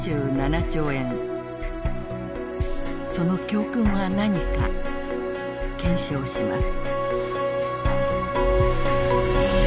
その教訓は何か検証します。